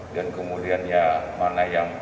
dan kemudian ya mana yang positif